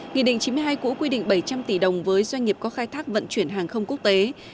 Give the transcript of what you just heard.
nghị định chín mươi hai cũ quy định bảy trăm linh tỷ đồng với doanh nghiệp có khai thác vận chuyển hàng không quốc tế